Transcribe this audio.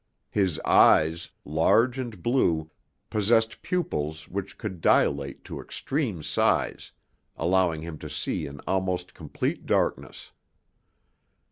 His eyes, large and blue, possessed pupils which could dilate to extreme size, allowing him to see in almost complete darkness.